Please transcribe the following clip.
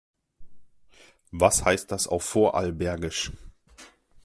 Was heißt das auf Vorarlbergisch?